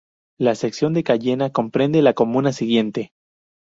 La sección de Cayena comprende la comuna siguiente